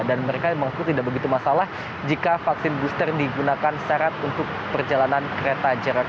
dan mereka memang tidak begitu masalah jika vaksin booster digunakan secara untuk perjalanan kereta jarak